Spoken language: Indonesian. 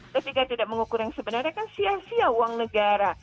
ketika tidak mengukur yang sebenarnya kan sia sia uang negara